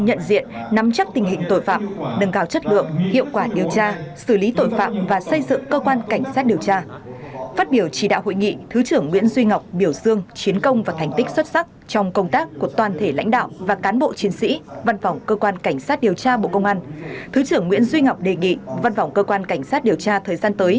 năm hai nghìn hai mươi ba văn phòng cơ quan cảnh sát điều tra đã đoàn kết thống nhất khắc phục mọi khó khăn